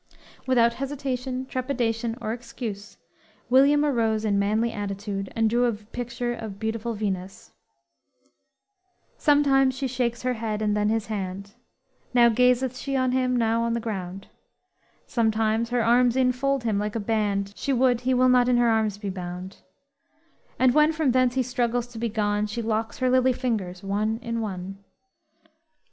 Without hesitation, trepidation or excuse, William arose in manly attitude and drew a picture of beautiful Venus: _"Sometimes she shakes her head and then his hand, Now gazeth she on him, now on the ground; Sometimes her arms infold him like a band; She would, he will not in her arms be bound; And when from thence he struggles to be gone She locks her lily fingers one in one!